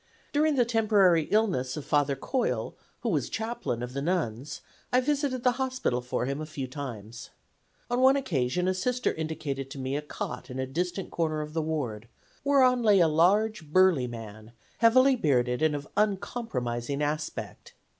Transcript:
During the temporary illness of Father Coyle, who was chaplain of the nuns, I visited the hospital for him a few times. On one occasion a Sister indicated to me a cot in a distant corner of the ward, whereon lay a large, burly man, heavily bearded and of uncompromising aspect.